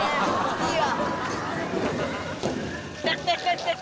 いいわ。